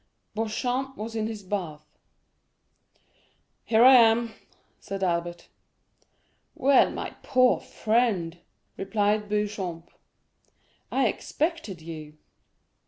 Beauchamp was in his bath. "Here I am," Albert said. "Well, my poor friend," replied Beauchamp, "I expected you."